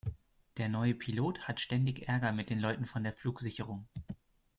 Der neue Pilot hat ständig Ärger mit den Leuten von der Flugsicherung.